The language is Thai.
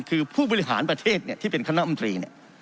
คือผู้บริหารประเทศที่เป็นคณะอำตรีเนี่ย